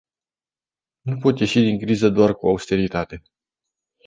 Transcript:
Nu pot ieși din criză doar cu austeritate.